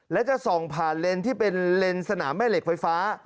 และจะส่องผ่านเลนส์ที่เป็นเลนส์สนามแม่เหล็กไฟฟ้า